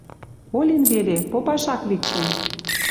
Олен веле: попаш ак ли чӹнь.